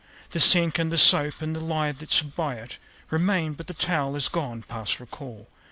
The sink and the soap and the lye that stood by it Remain; but the towel is gone past recall.